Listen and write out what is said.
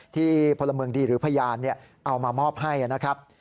พลเมืองดีหรือพยานเอามามอบให้นะครับ